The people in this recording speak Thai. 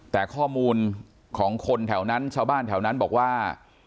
แต่ข้อมูลของคนแถวนั้นชาวบ้านแถวนั้นบอกว่า